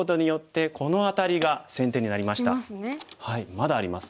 まだあります。